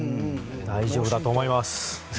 大丈夫だと思います。